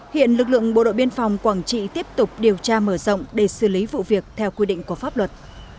hiện lực lượng bộ đội biên phòng quảng trị tiếp tục điều tra mở rộng để xử lý vụ việc theo quy định của pháp luật